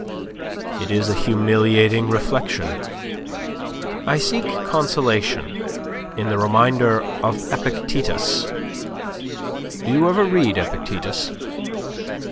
It is a humiliating reflection. I seek consolation in the reminder of Epictetus (do you ever read Epictetus?)